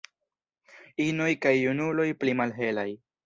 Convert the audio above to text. Inoj kaj junuloj pli malhelaj.